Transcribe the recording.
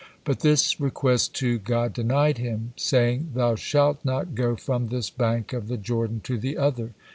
But this request, too, God denied him, saying, "Thou shalt not go from this bank of the Jordan to the other."